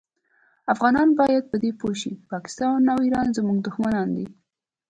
افغانان باید په دي پوه شي پاکستان او ایران زمونږ دوښمنان دي